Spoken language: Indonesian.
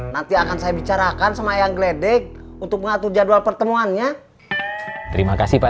nanti akan saya bicarakan semaya gledek untuk mengatur jadwal pertemuannya terima kasih pak